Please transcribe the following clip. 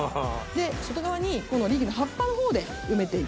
外側にこのリーキの葉っぱのほうで埋めて行きます。